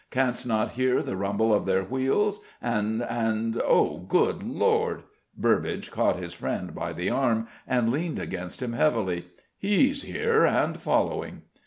Canst not hear the rumble of their wheels? and and oh, good Lord!" Burbage caught his friend by the arm and leaned against him heavily. "He's there, and following!"